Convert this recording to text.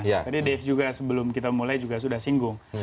tadi dave juga sebelum kita mulai juga sudah singgung